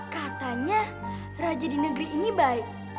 katanya raja di negeri ini baik